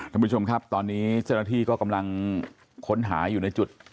ท่านผู้ชมครับตอนนี้เจ้าหน้าที่ก็กำลังค้นหาอยู่ในจุด